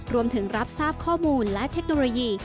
รวมถึงรับทราบข้อมูลและเทคโนโลยี